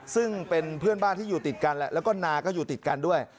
ซึ่งเป็นเพื่อนบ้านที่อยู่ติดกันแล้วก็นาก็อยู่ติดกันด้วย